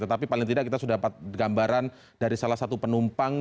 tetapi paling tidak kita sudah dapat gambaran dari salah satu penumpang